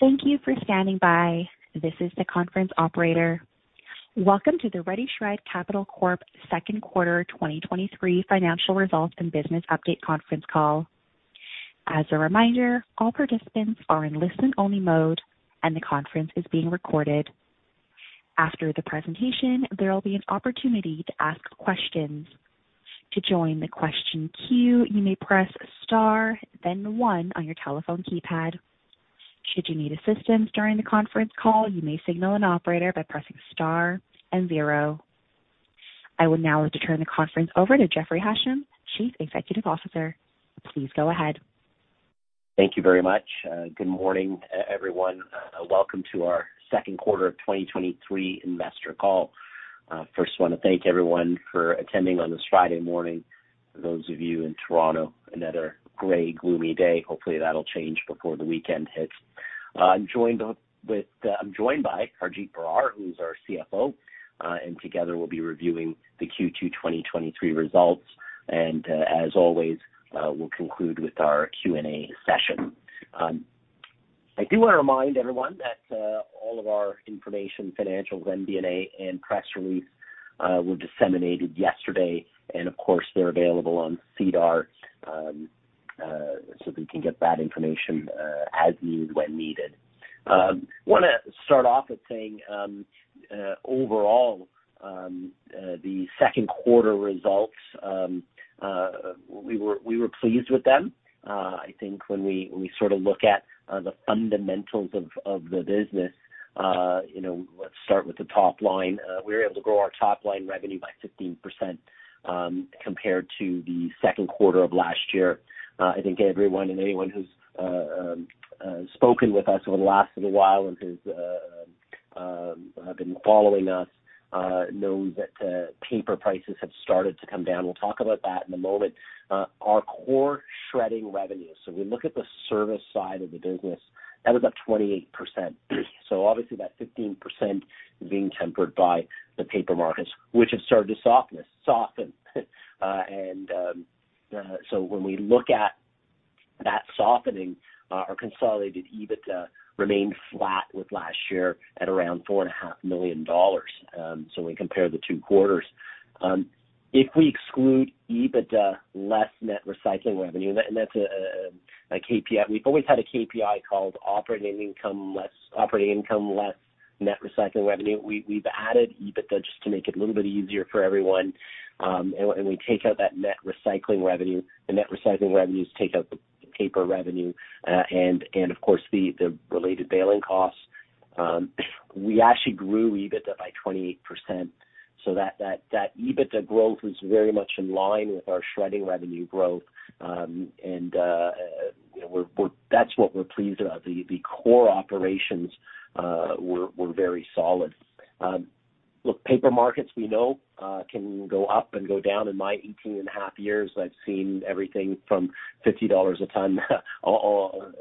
Thank you for standing by. This is the conference operator. Welcome to the RediShred Capital Corp. Q2 2023 financial results and business update conference call. As a reminder, all participants are in listen-only mode and the conference is being recorded. After the presentation, there will be an opportunity to ask questions. To join the question queue, you may press star, then one on your telephone keypad. Should you need assistance during the conference call, you may signal an operator by pressing star and zero. I would now like to turn the conference over to Jeffrey Hasham, Chief Executive Officer. Please go ahead. Thank you very much. Good morning, everyone. Welcome to our Q2 of 2023 investor call. First, want to thank everyone for attending on this Friday morning. For those of you in Toronto, another gray, gloomy day. Hopefully, that'll change before the weekend hits. I'm joined by Harjit Brar, who's our CFO, and together we'll be reviewing the Q2 2023 results. As always, we'll conclude with our Q&A session. I do want to remind everyone that all of our information, financials, MD&A, and press release were disseminated yesterday, and of course, they're available on SEDAR. So we can get that information as needed, when needed. I wanna start off with saying, overall, the Q2 results, we were pleased with them. I think when we sort of look at the fundamentals of the business, you know, let's start with the top line. We were able to grow our top line revenue by 15%, compared to the Q2 of last year. I think everyone and anyone who's spoken with us over the last little while and has been following us knows that paper prices have started to come down. We'll talk about that in a moment. Our core shredding revenues, so we look at the service side of the business, that was up 28%. So obviously, that 15% being tempered by the paper markets, which have started to soften, soften. And so when we look at that softening, our consolidated EBITDA remained flat with last year at around 4.5 million dollars, so when we compare the two quarters. If we exclude EBITDA less net recycling revenue, and that's a KPI. We've always had a KPI called operating income less operating income less net recycling revenue. We've added EBITDA just to make it a little bit easier for everyone. And we take out that net recycling revenue. The net recycling revenues take out the paper revenue, and of course, the related baling costs. We actually grew EBITDA by 28%. So that EBITDA growth is very much in line with our shredding revenue growth. You know, we're, we're-- that's what we're pleased about. The core operations were very solid. Look, paper markets we know can go up and go down. In my 18.5 years, I've seen everything from $50 a ton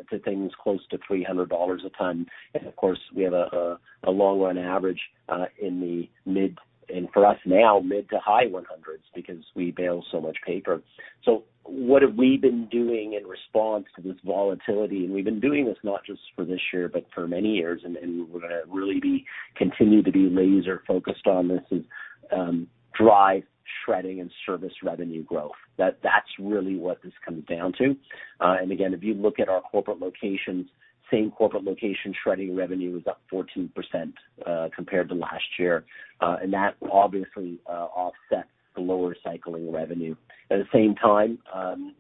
to things close to $300 a ton. And of course, we have a long-run average in the mid hundreds, and for us now, mid- to high 100s because we bale so much paper. So what have we been doing in response to this volatility? And we've been doing this not just for this year, but for many years, and we're gonna really be... Continue to be laser focused on this is drive shredding and service revenue growth. That's really what this comes down to. And again, if you look at our corporate locations, same corporate location shredding revenue is up 14%, compared to last year. And that obviously offsets the lower recycling revenue. At the same time,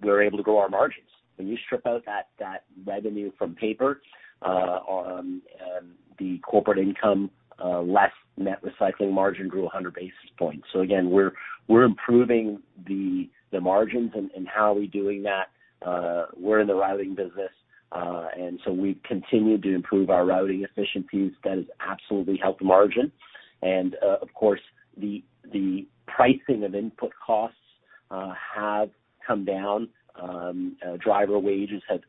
we're able to grow our margins. When you strip out that revenue from paper, the corporate income less net recycling margin grew 100 basis points. So again, we're improving the margins, and how are we doing that? We're in the routing business, and so we've continued to improve our routing efficiencies. That has absolutely helped margin. And, of course, the pricing of input costs have come down. Driver wages have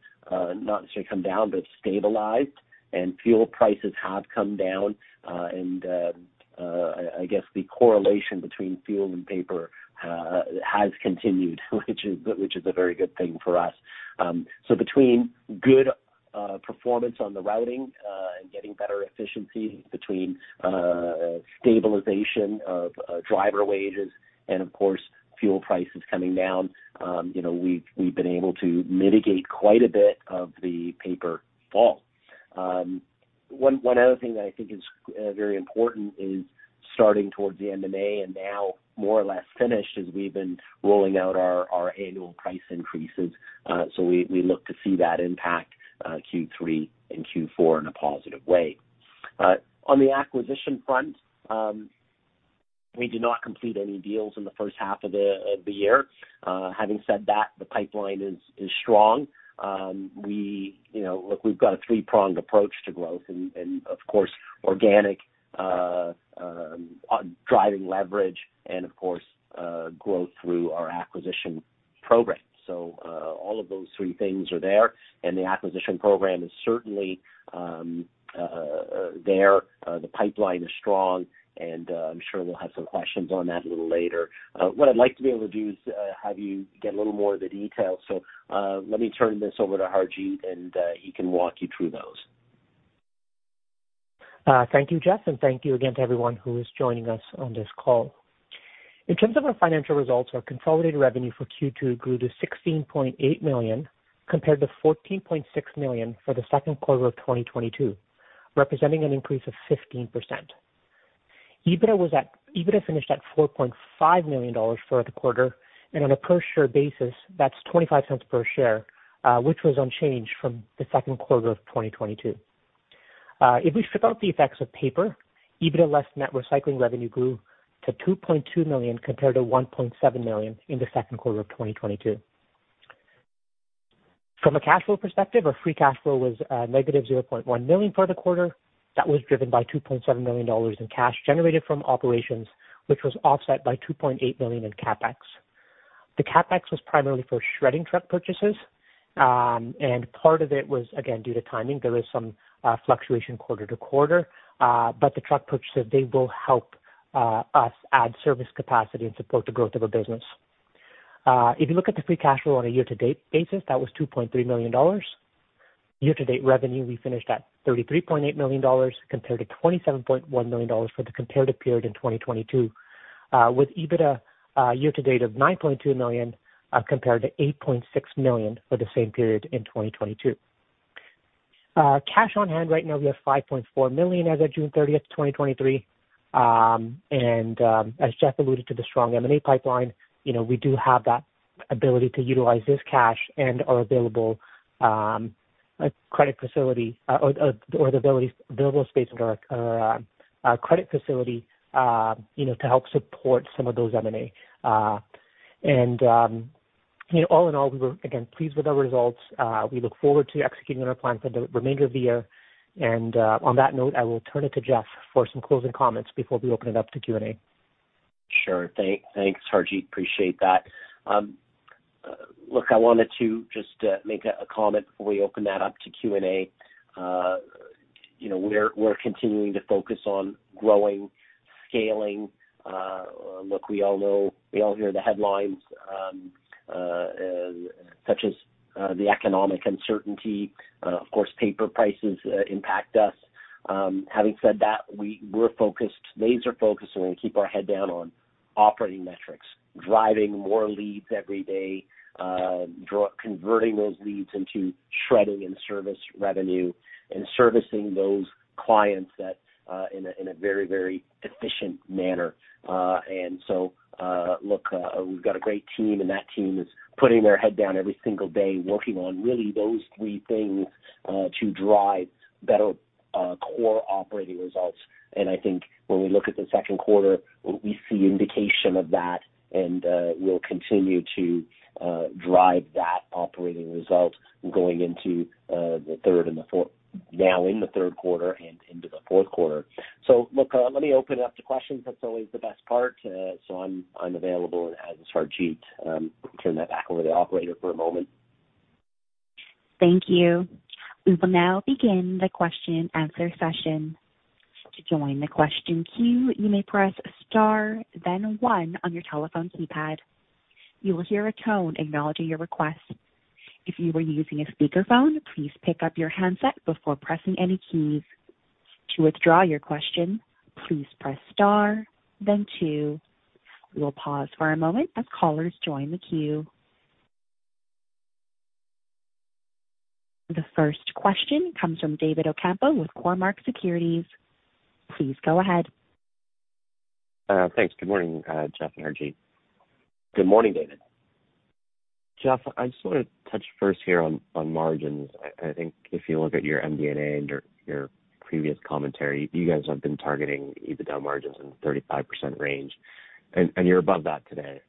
not necessarily come down, but stabilized, and fuel prices have come down. And I guess the correlation between fuel and paper has continued, which is a very good thing for us. So between good performance on the routing and getting better efficiency between stabilization of driver wages and of course, fuel prices coming down, you know, we've been able to mitigate quite a bit of the paper fall. One other thing that I think is very important is starting towards the end of May and now more or less finished, is we've been rolling out our annual price increases. So we look to see that impact Q3 and Q4 in a positive way. On the acquisition front, we did not complete any deals in the first half of the year. Having said that, the pipeline is strong. You know, look, we've got a three-pronged approach to growth and, of course, organic driving leverage and, of course, growth through our acquisition program. So, all of those three things are there, and the acquisition program is certainly there. The pipeline is strong, and I'm sure we'll have some questions on that a little later. What I'd like to be able to do is have you get a little more of the details. So, let me turn this over to Harjit, and he can walk you through those. ... Thank you, Jeff, and thank you again to everyone who is joining us on this call. In terms of our financial results, our consolidated revenue for Q2 grew to 16.8 million, compared to 14.6 million for the Q2 of 2022, representing an increase of 15%. EBITDA finished at 4.5 million dollars for the quarter, and on a per share basis, that's 0.25 per share, which was unchanged from the Q2 of 2022. If we strip out the effects of paper, EBITDA less net recycling revenue grew to 2.2 million, compared to 1.7 million in the Q2 of 2022. From a cash flow perspective, our free cash flow was -0.1 million for the quarter. That was driven by 2.7 million dollars in cash generated from operations, which was offset by 2.8 million in CapEx. The CapEx was primarily for shredding truck purchases, and part of it was, again, due to timing. There is some fluctuation quarter to quarter, but the truck purchases, they will help us add service capacity and support the growth of our business. If you look at the free cash flow on a year-to-date basis, that was 2.3 million dollars. Year-to-date revenue, we finished at 33.8 million dollars, compared to 27.1 million dollars for the comparative period in 2022. With EBITDA year-to-date of 9.2 million, compared to 8.6 million for the same period in 2022. Cash on hand right now, we have 5.4 million as of June 30, 2023. And as Jeff alluded to the strong M&A pipeline, you know, we do have that ability to utilize this cash and our available credit facility, or the available space with our credit facility, you know, to help support some of those M&A. And you know, all in all, we were again pleased with our results. We look forward to executing on our plan for the remainder of the year. On that note, I will turn it to Jeff for some closing comments before we open it up to Q&A. Sure. Thanks, Harjit. Appreciate that. Look, I wanted to just make a comment before we open that up to Q&A. You know, we're continuing to focus on growing, scaling. Look, we all know, we all hear the headlines, such as the economic uncertainty. Of course, paper prices impact us. Having said that, we're focused, laser focused, and we keep our head down on operating metrics, driving more leads every day, converting those leads into shredding and service revenue and servicing those clients that in a very efficient manner. And so, look, we've got a great team, and that team is putting their head down every single day, working on really those three things to drive better core operating results. I think when we look at the Q2, we see indication of that, and we'll continue to drive that operating result going into the Q3 and into the Q4. So look, let me open it up to questions. That's always the best part. So I'm available, and as is Harjit. Turn that back over to the operator for a moment. Thank you. We will now begin the question and answer session. To join the question queue, you may press star then one on your telephone keypad. You will hear a tone acknowledging your request. If you are using a speakerphone, please pick up your handset before pressing any keys. To withdraw your question, please press star then two. We will pause for a moment as callers join the queue. The first question comes from David Ocampo with Cormark Securities. Please go ahead. Thanks. Good morning, Jeff and Harjit. Good morning, David. Jeff, I just want to touch first here on margins. I think if you look at your MD&A and your previous commentary, you guys have been targeting EBITDA margins in the 35% range, and you're above that today.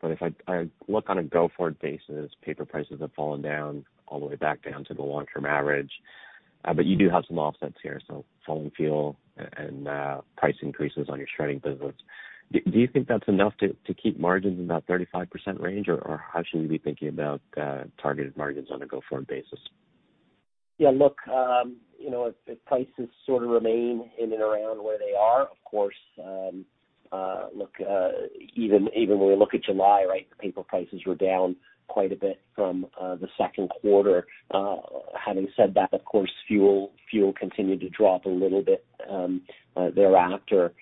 But if I look on a go-forward basis, paper prices have fallen down all the way back down to the long-term average. But you do have some offsets here, so falling fuel and price increases on your shredding business. Do you think that's enough to keep margins in that 35% range, or how should we be thinking about targeted margins on a go-forward basis? Yeah, look, you know, if prices sort of remain in and around where they are, of course, look, even when we look at July, right, paper prices were down quite a bit from the Q2. Having said that, of course, fuel continued to drop a little bit thereafter. And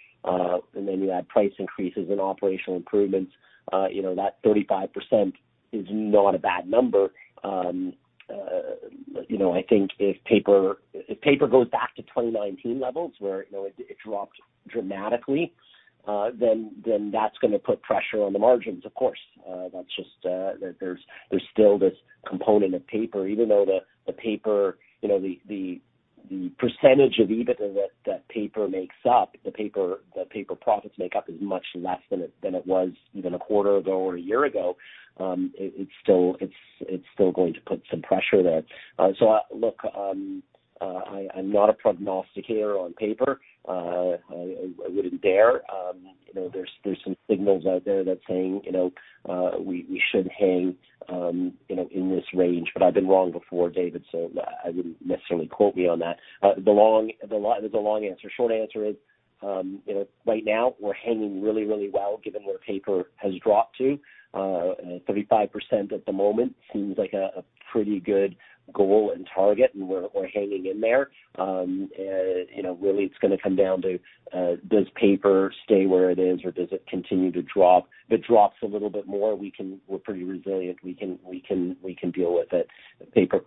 then you add price increases and operational improvements, you know, that 35% is not a bad number. You know, I think if paper, if paper goes back to 2019 levels, where, you know, it dropped dramatically, then that's gonna put pressure on the margins, of course. That's just, there's still this component of paper, even though the paper, you know, the percentage of EBITDA that paper makes up, the paper profits make up is much less than it was even a quarter ago or a year ago. It's still going to put some pressure there. So, look, I'm not a prognosticator on paper. I wouldn't dare. You know, there are some signals out there that say, you know, we should hang in this range, but I've been wrong before, David, so I wouldn't necessarily quote me on that. The long answer. Short answer is, you know, right now we're hanging really, really well, given where paper has dropped to. 35% at the moment seems like a pretty good goal and target, and we're hanging in there. You know, really, it's going to come down to does paper stay where it is, or does it continue to drop? If it drops a little bit more, we can-- we're pretty resilient. We can, we can, we can deal with it. If paper,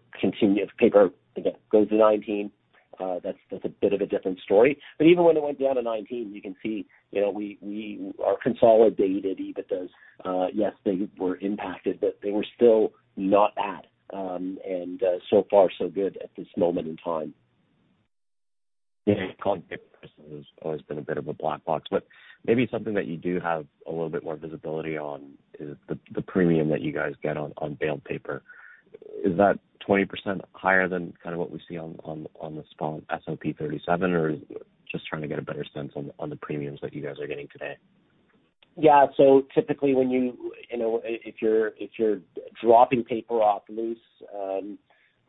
again, goes to 19%, that's a bit of a different story. But even when it went down to 19%, you can see, you know, we, our consolidated EBITDAs, yes, they were impacted, but they were still not bad. So far so good at this moment in time. Yeah, sorted paper has always been a bit of a black box, but maybe something that you do have a little bit more visibility on is the premium that you guys get on baled paper. Is that 20% higher than kind of what we see on the SOP 37, or just trying to get a better sense on the premiums that you guys are getting today? Yeah. So typically, when you know, if you're dropping paper off loose,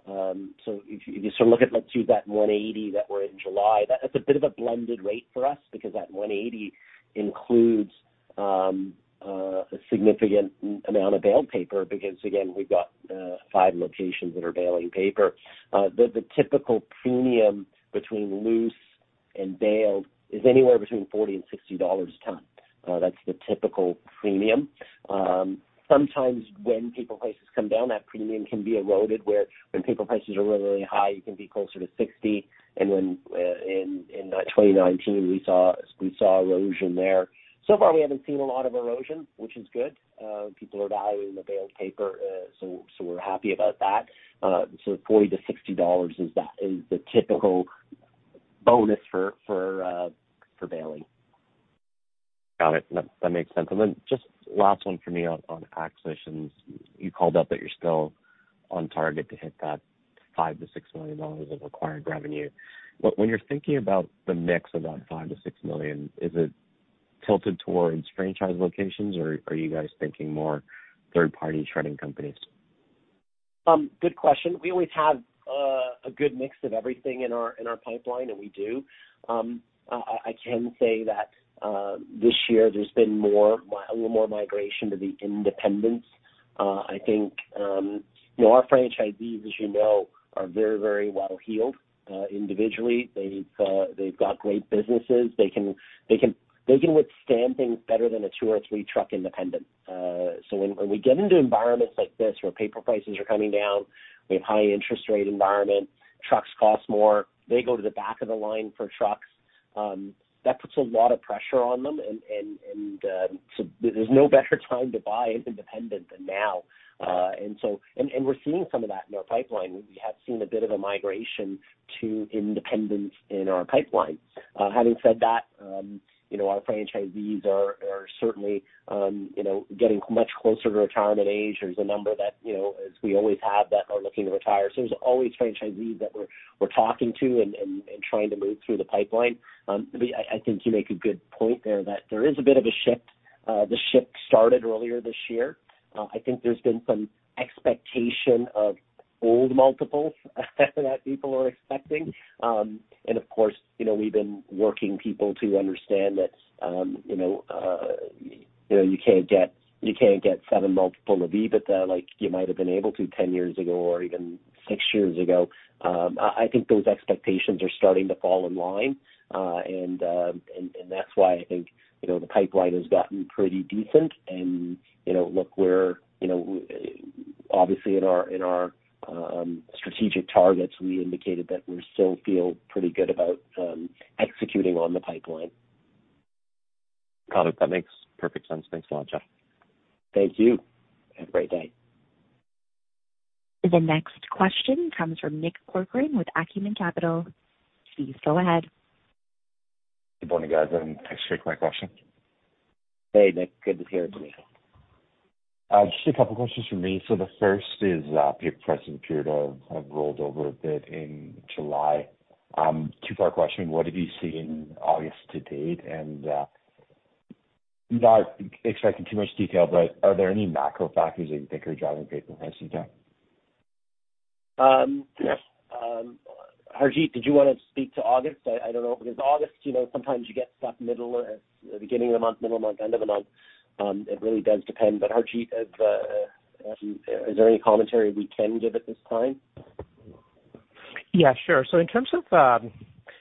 so if you sort of look at, let's use that $180 that we're in July, that's a bit of a blended rate for us because that $180 includes a significant amount of baled paper. Because, again, we've got five locations that are baling paper. The typical premium between loose and baled is anywhere between $40-$60 a ton. That's the typical premium. Sometimes when paper prices come down, that premium can be eroded, where when paper prices are really, really high, it can be closer to $60. And when in 2019, we saw erosion there. So far, we haven't seen a lot of erosion, which is good. People are valuing the baled paper, so we're happy about that. So $40-$60 is the typical bonus for baling. Got it. That, that makes sense. And then just last one for me on, on acquisitions. You called out that you're still on target to hit that $5-$6 million of acquired revenue. But when you're thinking about the mix of that $5-$6 million, is it tilted towards franchise locations, or are you guys thinking more third-party shredding companies? Good question. We always have a good mix of everything in our pipeline, and we do. I can say that this year there's been a little more migration to the independents. I think, you know, our franchisees, as you know, are very, very well-heeled individually. They've got great businesses. They can, they can, they can withstand things better than a two or three truck independent. So when we get into environments like this, where paper prices are coming down, we have high interest rate environment, trucks cost more, they go to the back of the line for trucks. That puts a lot of pressure on them and so there's no better time to buy independent than now. And so... And we're seeing some of that in our pipeline. We have seen a bit of a migration to independents in our pipeline. Having said that, you know, our franchisees are certainly, you know, getting much closer to retirement age. There's a number that, you know, as we always have, that are looking to retire. So there's always franchisees that we're talking to and trying to move through the pipeline. But I think you make a good point there, that there is a bit of a shift. The shift started earlier this year. I think there's been some expectation of old multiples, that people are expecting. Of course, you know, we've been working people to understand that, you know, you know, you can't get, you can't get 7 multiple of EBITDA like you might have been able to 10 years ago or even 6 years ago. I think those expectations are starting to fall in line. And that's why I think, you know, the pipeline has gotten pretty decent. And, you know, look, we're, you know, obviously, in our strategic targets, we indicated that we still feel pretty good about executing on the pipeline. Got it. That makes perfect sense. Thanks a lot, John. Thank you. Have a great day. The next question comes from Nick Corcoran with Acumen Capital. Please go ahead. Good morning, guys, and thanks for taking my question. Hey, Nick, good to hear it today. Just a couple questions from me. So the first is, paper price appeared to have rolled over a bit in July. Two-part question: What have you seen August to date? And, not expecting too much detail, but are there any macro factors that you think are driving paper price down? Harjit, did you want to speak to August? I don't know, because August, you know, sometimes you get stuck middle, at the beginning of the month, middle of the month, end of the month. It really does depend. But Harjit, is there any commentary we can give at this time? Yeah, sure. So in terms of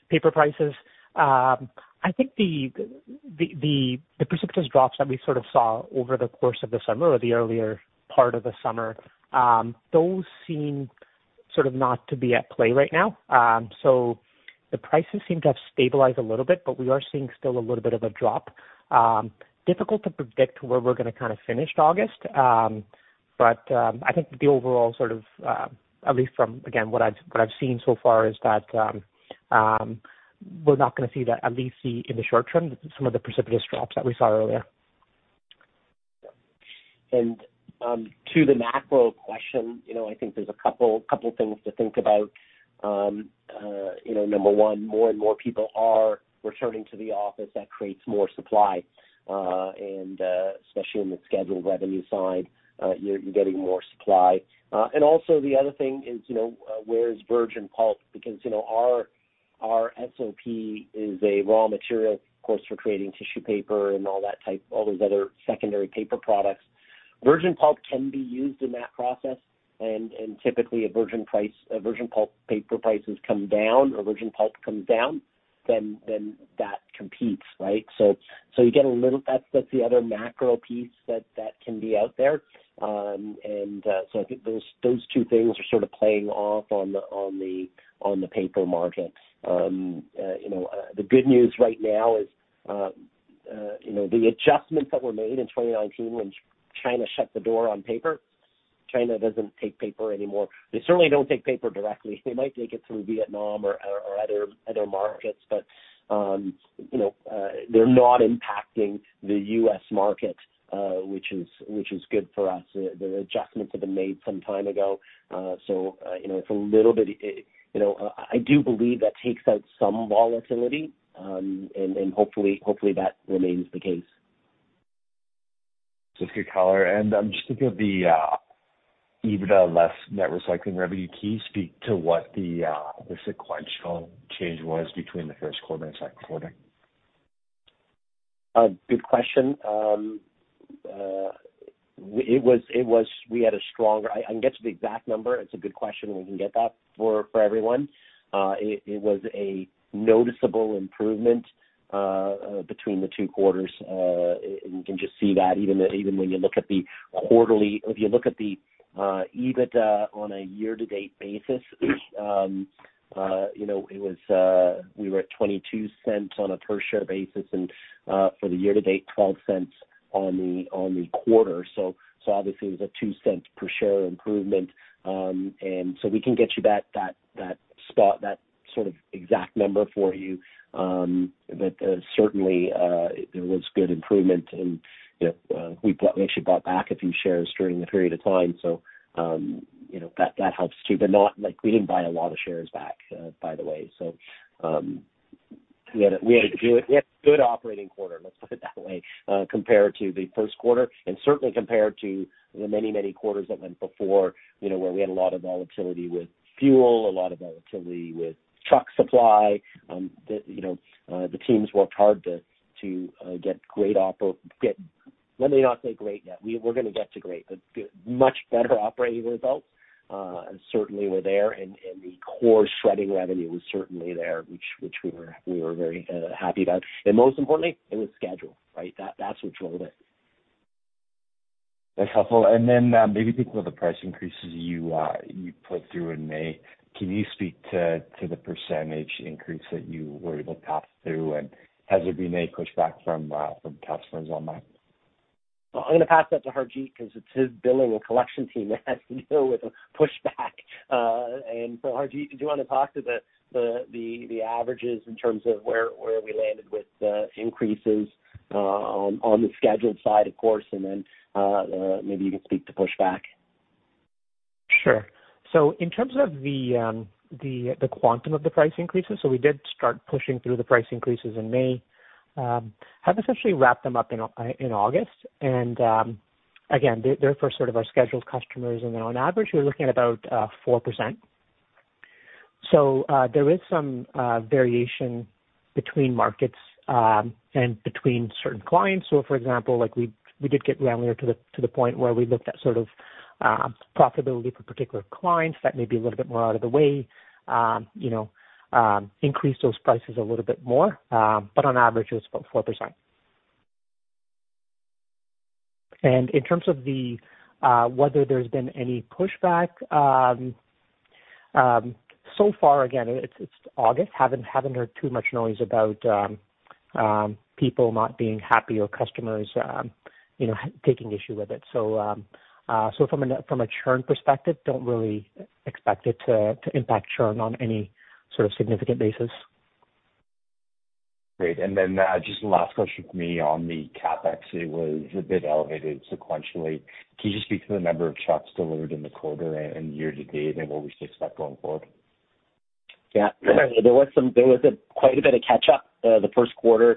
paper prices, I think the precipitous drops that we sort of saw over the course of the summer or the earlier part of the summer, those seem sort of not to be at play right now. So the prices seem to have stabilized a little bit, but we are seeing still a little bit of a drop. Difficult to predict where we're gonna kind of finish August. But I think the overall sort of, at least from, again, what I've seen so far, is that we're not gonna see that, at least see in the short term, some of the precipitous drops that we saw earlier. To the macro question, you know, I think there's a couple things to think about. You know, number one, more and more people are returning to the office. That creates more supply, and especially in the scheduled revenue side, you're getting more supply. And also the other thing is, you know, where is virgin pulp? Because, you know, our SOP is a raw material, of course, for creating tissue paper and all that type, all those other secondary paper products. Virgin pulp can be used in that process. And typically, a virgin pulp price comes down, or virgin pulp comes down, then that competes, right? That's the other macro piece that can be out there. I think those two things are sort of playing off on the paper markets. You know, the good news right now is, you know, the adjustments that were made in 2019 when China shut the door on paper. China doesn't take paper anymore. They certainly don't take paper directly. They might take it through Vietnam or other markets, but, you know, they're not impacting the U.S. market, which is good for us. The adjustments have been made some time ago. You know, it's a little bit. You know, I do believe that takes out some volatility, and hopefully that remains the case. It's a good color. Just think of the EBITDA less net recycling revenue KPI. Speak to what the sequential change was between the Q1 and Q2. Good question. It was, it was... We had a stronger—I can get you the exact number. It's a good question, and we can get that for everyone. It was a noticeable improvement between the two quarters. And you can just see that even when you look at the quarterly... If you look at the EBITDA on a year-to-date basis, you know, it was, we were at 0.22 on a per share basis, and for the year to date, 0.12 on the quarter. So obviously, it was a 0.02 per share improvement. And so we can get you that spot, that sort of exact number for you. But certainly, there was good improvement and, you know, we actually bought back a few shares during the period of time, so, you know, that, that helps too. But not like we didn't buy a lot of shares back, by the way. So, we had a good operating quarter, let's put it that way, compared to the Q1, and certainly compared to the many, many quarters that went before, you know, where we had a lot of volatility with fuel, a lot of volatility with truck supply. The teams worked hard to get great. Let me not say great yet. We're gonna get to great, but much better operating results, and certainly were there, and the core shredding revenue was certainly there, which we were very happy about. And most importantly, it was scheduled, right? That's what drove it. That's helpful. Then, maybe think about the price increases you put through in May. Can you speak to the percentage increase that you were able to pass through? And has there been any pushback from customers on that? I'm gonna pass that to Harjit, because it's his billing and collection team that has to deal with the pushback. And so Harjit, do you want to talk to the averages in terms of where we landed with the increases, on the scheduled side, of course, and then maybe you can speak to pushback? Sure. So in terms of the quantum of the price increases, so we did start pushing through the price increases in May. Have essentially wrapped them up in August. And, again, they're for sort of our scheduled customers, and then on average, we're looking at about 4%. So, there is some variation between markets and between certain clients. So for example, like we did get around here to the point where we looked at sort of profitability for particular clients that may be a little bit more out of the way, you know, increase those prices a little bit more. But on average, it was about 4%. And in terms of the whether there's been any pushback, so far, again, it's August. Haven't heard too much noise about people not being happy or customers, you know, taking issue with it. So from a churn perspective, don't really expect it to impact churn on any sort of significant basis. Great. And then, just last question for me on the CapEx, it was a bit elevated sequentially. Can you just speak to the number of shops delivered in the quarter and year to date, and what we should expect going forward? Yeah. There was quite a bit of catch up, the Q1.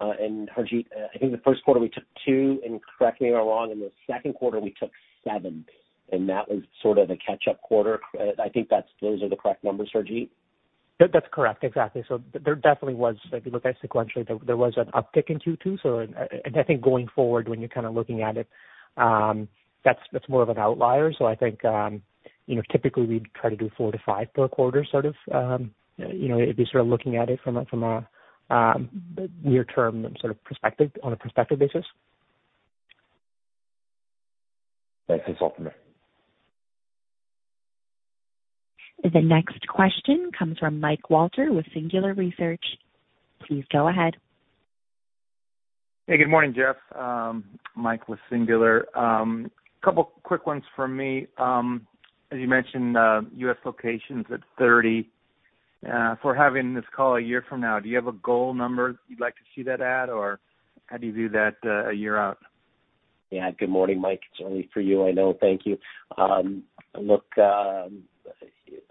And Harjit, I think the Q1, we took 2, and correct me if I'm wrong, in the Q2, we took 7, and that was sort of the catch-up quarter. I think that's, those are the correct numbers, Harjit. That, that's correct. Exactly. So there definitely was, if you look at it sequentially, there was an uptick in Q2. So I think going forward, when you're kind of looking at it, that's more of an outlier. So I think, you know, typically we'd try to do four to five per quarter, sort of, you know, if you're sort of looking at it from a near-term sort of perspective, on a prospective basis. Thanks. That's helpful. The next question comes from Michael Walthers with Singular Research. Please go ahead. Hey, good morning, Jeff. Mike with Singular. Couple quick ones from me. As you mentioned, U.S. locations at 30. If we're having this call a year from now, do you have a goal number you'd like to see that at, or how do you view that, a year out? Yeah. Good morning, Mike. It's only for you, I know. Thank you. Look,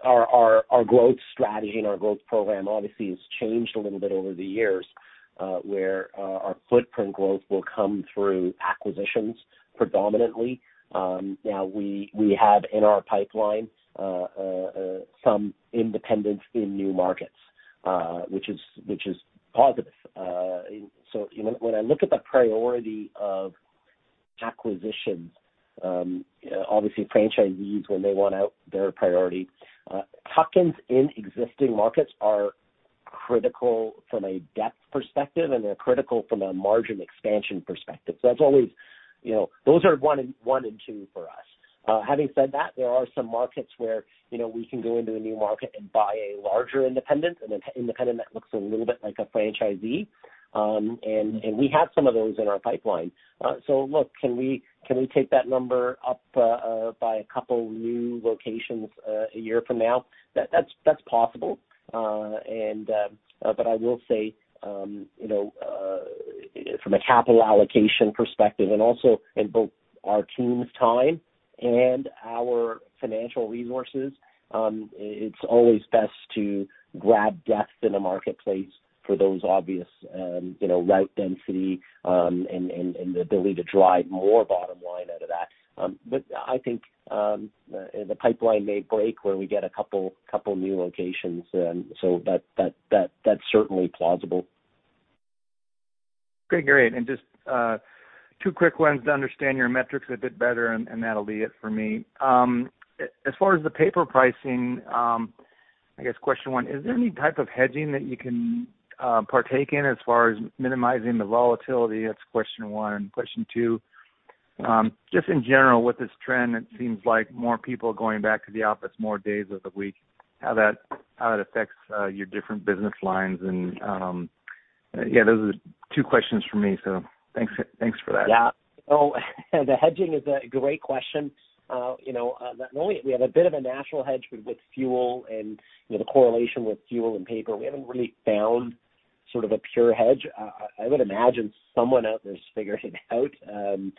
our growth strategy and our growth program obviously has changed a little bit over the years, where our footprint growth will come through acquisitions predominantly. Now we have in our pipeline some independents in new markets, which is positive. And so, you know, when I look at the priority of acquisitions. Obviously franchisees, when they want out, they're a priority. Tuck-ins in existing markets are critical from a depth perspective, and they're critical from a margin expansion perspective. So that's always, you know, those are one and, one and two for us. Having said that, there are some markets where, you know, we can go into a new market and buy a larger independent and an independent that looks a little bit like a franchisee. We have some of those in our pipeline. So look, can we take that number up by a couple new locations a year from now? That's possible. But I will say, you know, from a capital allocation perspective and also in both our team's time and our financial resources, it's always best to grab depth in the marketplace for those obvious, you know, route density, and the ability to drive more bottom line out of that. But I think the pipeline may break where we get a couple new locations, so that that's certainly plausible. Great, great. And just two quick ones to understand your metrics a bit better, and that'll be it for me. As far as the paper pricing, I guess question one: Is there any type of hedging that you can partake in as far as minimizing the volatility? That's question one. Question two: Just in general, with this trend, it seems like more people are going back to the office more days of the week. How that affects your different business lines, and yeah, those are two questions for me, so thanks, thanks for that. Yeah. So the hedging is a great question. You know, we have a bit of a natural hedge with fuel and, you know, the correlation with fuel and paper. We haven't really found sort of a pure hedge. I would imagine someone out there has figured it out, and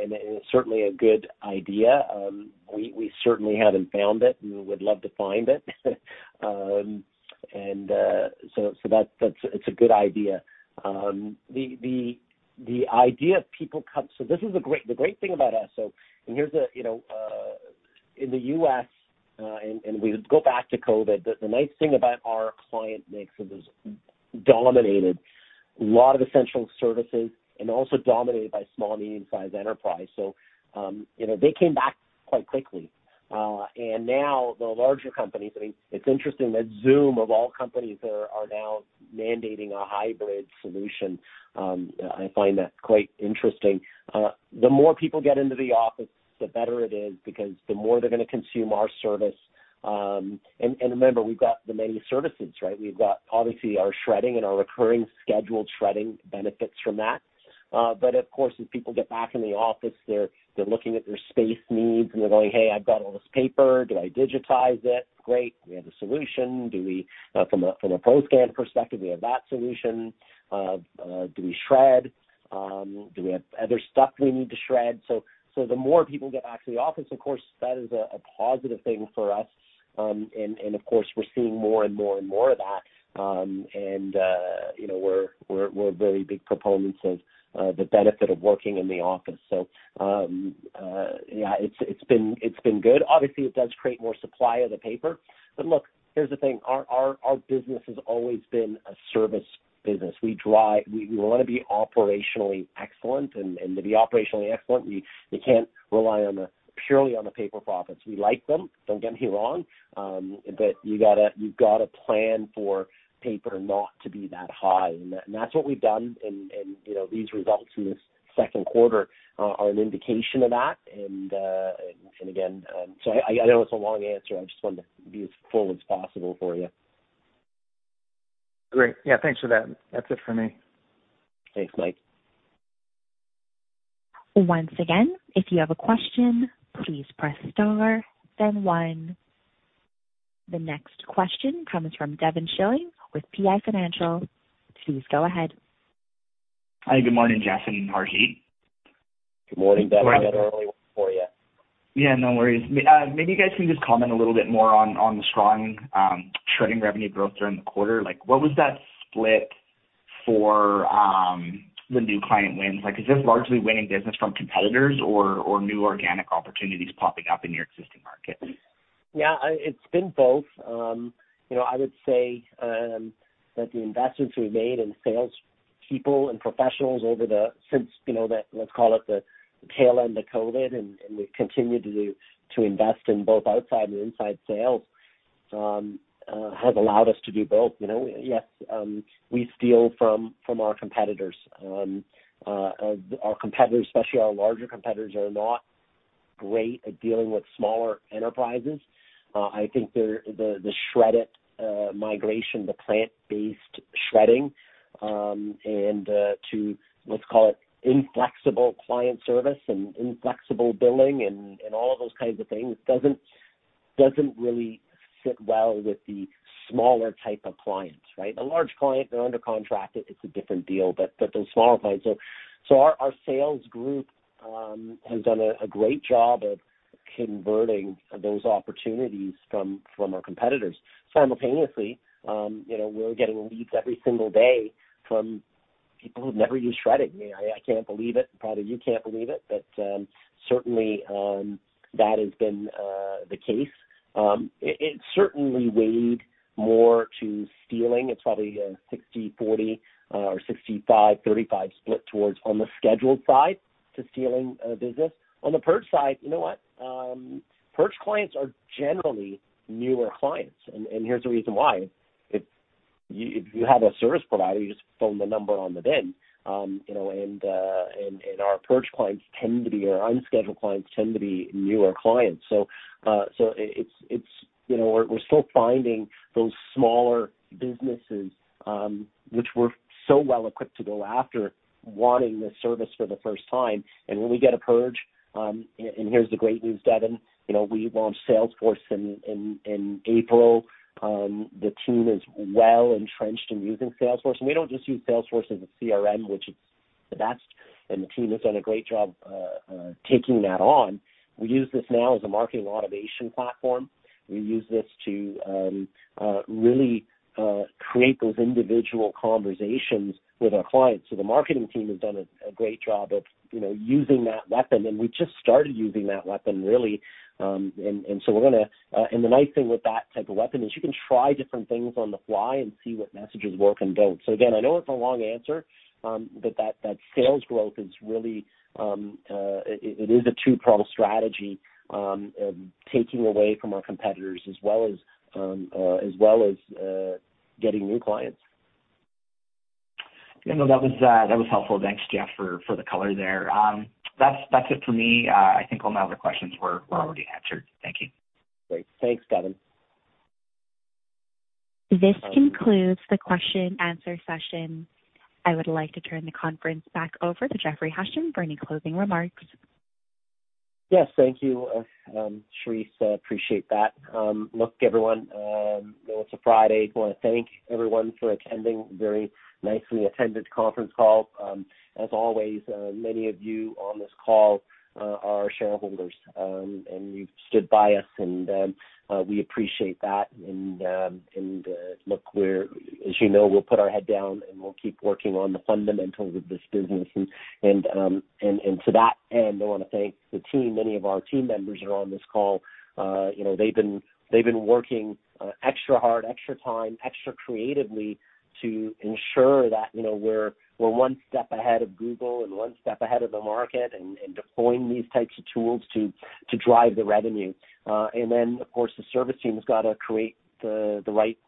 it's certainly a good idea. We certainly haven't found it, and we would love to find it. So that's it. It's a good idea. The great thing about us, so and here's a, you know, in the US, and we go back to COVID, the nice thing about our client mix is it's dominated a lot of essential services and also dominated by small, medium-sized enterprise. So, you know, they came back quite quickly. And now the larger companies, I mean, it's interesting that Zoom, of all companies, are now mandating a hybrid solution. I find that quite interesting. The more people get into the office, the better it is, because the more they're gonna consume our service. And remember, we've got the many services, right? We've got obviously our shredding and our recurring scheduled shredding benefits from that. But of course, as people get back in the office, they're looking at their space needs, and they're going, "Hey, I've got all this paper. Do I digitize it?" Great, we have a solution. Do we, from a Proscan perspective, we have that solution. Do we shred? Do we have other stuff we need to shred? So the more people get back to the office, of course, that is a positive thing for us. And of course, we're seeing more and more and more of that. You know, we're very big proponents of the benefit of working in the office. So yeah, it's been good. Obviously, it does create more supply of the paper. But look, here's the thing. Our business has always been a service business. We wanna be operationally excellent, and to be operationally excellent, we can't rely purely on the paper profits. We like them, don't get me wrong, but you've got to plan for paper not to be that high. And that's what we've done and, you know, these results in this Q2 are an indication of that. And again, so I know it's a long answer. I just wanted to be as full as possible for you. Great. Yeah, thanks for that. That's it for me. Thanks, Mike. Once again, if you have a question, please press star then one. The next question comes from Devin Schilling with PI Financial. Please go ahead. Hi, good morning, Jason and Harjit. Good morning, Devin. I got early for you. Yeah, no worries. Maybe you guys can just comment a little bit more on, on the strong, shredding revenue growth during the quarter. Like, what was that split for, the new client wins? Like, is this largely winning business from competitors or, or new organic opportunities popping up in your existing markets? Yeah, it's been both. You know, I would say that the investments we made in sales people and professionals over since, you know, the, let's call it, the tail end of COVID, and, and we've continued to, to invest in both outside and inside sales, has allowed us to do both, you know? Yes, we steal from, from our competitors. Our competitors, especially our larger competitors, are not great at dealing with smaller enterprises. I think they're the Shred-it migration, the plant-based shredding, and to, let's call it inflexible client service and inflexible billing and, and all of those kinds of things, doesn't, doesn't really fit well with the smaller type of clients, right? A large client, they're under contract, it's a different deal, but, but the smaller clients. So our sales group has done a great job of converting those opportunities from our competitors. Simultaneously, you know, we're getting leads every single day from people who've never used shredding. I can't believe it, and probably you can't believe it, but certainly that has been the case. It certainly weighed more to stealing. It's probably a 60/40 or 65/35 split towards on the scheduled side to stealing business. On the purge side, you know what? Purge clients are generally newer clients, and here's the reason why. If you have a service provider, you just phone the number on the bin. You know, and our purge clients tend to be our unscheduled clients, tend to be newer clients. So, it's, you know, we're still finding those smaller businesses, which we're so well equipped to go after wanting this service for the first time. And when we get a purge, here's the great news, Devin, you know, we launched Salesforce in April. The team is well entrenched in using Salesforce, and we don't just use Salesforce as a CRM, which is the best, and the team has done a great job taking that on. We use this now as a marketing automation platform. We use this to really create those individual conversations with our clients. So the marketing team has done a great job of, you know, using that weapon, and we just started using that weapon, really. So we're gonna... The nice thing with that type of weapon is you can try different things on the fly and see what messages work and don't. So again, I know it's a long answer, but that sales growth is really it is a two-pronged strategy, taking away from our competitors as well as getting new clients. You know, that was helpful. Thanks, Jeff, for the color there. That's it for me. I think all my other questions were already answered. Thank you. Great. Thanks, Devin. This concludes the question-answer session. I would like to turn the conference back over to Jeffrey Hasham for any closing remarks. Yes, thank you, Charisse, I appreciate that. Look, everyone, you know, it's a Friday. I wanna thank everyone for attending, very nicely attended conference call. As always, many of you on this call are shareholders, and you've stood by us and we appreciate that. And look, as you know, we'll put our head down, and we'll keep working on the fundamentals of this business. And to that end, I wanna thank the team. Many of our team members are on this call. You know, they've been working extra hard, extra time, extra creatively to ensure that, you know, we're one step ahead of Google and one step ahead of the market and deploying these types of tools to drive the revenue. And then, of course, the service team has got to create the right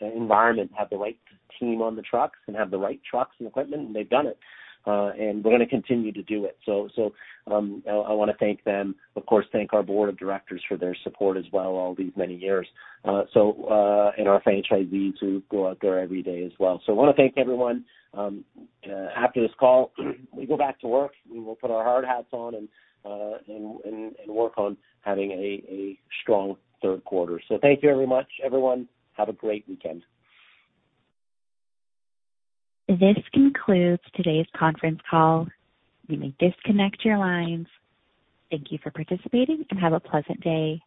environment, have the right team on the trucks, and have the right trucks and equipment, and they've done it, and we're gonna continue to do it. So, I wanna thank them, of course, thank our board of directors for their support as well, all these many years. And our franchisees who go out there every day as well. So I wanna thank everyone. After this call, we go back to work, and we'll put our hard hats on and work on having a strong Q3. So thank you very much, everyone. Have a great weekend. This concludes today's conference call. You may disconnect your lines. Thank you for participating, and have a pleasant day.